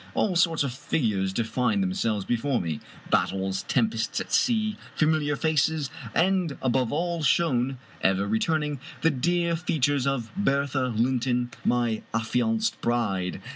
All sorts of figures defined them selves before me. Battles, tempests at sea, familiar faces, and above all shone, ever returning, the dear features of Bertha Linton, my affianced bride.